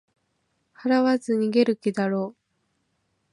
払わず逃げる気だろう